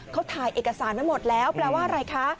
เขาถ่ายเอกสารไว้หมดแล้วแปลว่าอะไรคะ